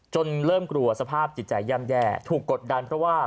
เริ่มกลัวสภาพจิตใจย่ำแย่ถูกกดดันเพราะว่า